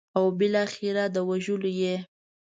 او بالاخره د وژلو یې.